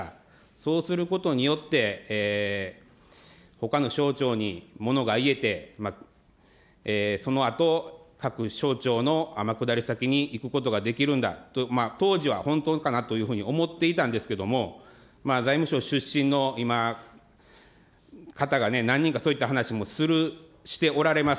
そうすることによって、ほかの省庁にものが言えて、そのあと、各省庁の天下り先に行くことができるんだと、当時は本当かなというふうに思っていたんですけれども、財務省出身の今、方がね、何人か、そういった話もしておられます。